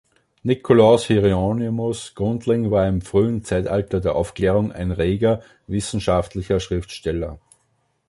Nikolaus Hieronymus Gundling war im frühen Zeitalter der Aufklärung ein reger wissenschaftlicher Schriftsteller.